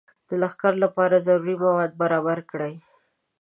د لښکر لپاره ضروري مواد برابر کړي.